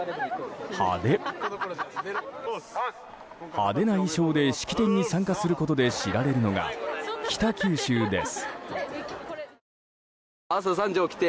派手な衣装で式典に参加することで知られるのが北九州です。